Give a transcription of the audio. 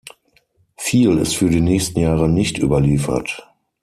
Viel ist für die nächsten Jahre nicht überliefert.